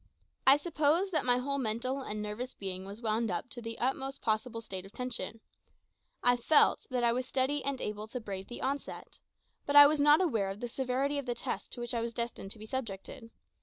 I suppose that my whole mental and nervous being was wound up to the utmost possible state of tension. I felt that I was steady and able to brave the onset. But I was not aware of the severity of the test to which I was destined to be subjected.